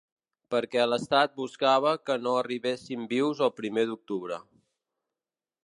Perquè l’estat buscava que no arribéssim vius al primer d’octubre.